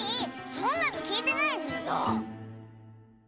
そんなのきいてないズルよ！